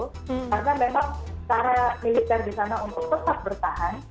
karena memang cara militer di sana untuk tetap bertahan